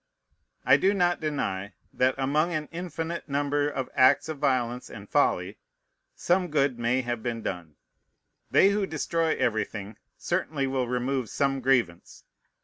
I do not deny, that, among an infinite number of acts of violence and folly, some good may have been done. They who destroy everything certainly will remove some grievance.